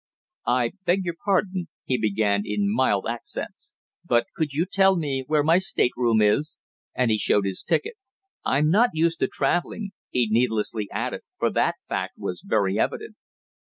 "I beg your pardon," he began in mild accents, "but could you tell me where my stateroom is?" and he showed his ticket. "I'm not used to traveling," he needlessly added for that fact was very evident.